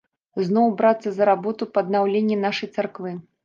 Зноў брацца за работу па аднаўленні нашай царквы.